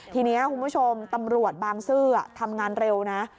ทีนี้คุณผู้ชมตำรวจบางซื่อทำงานเร็วนะ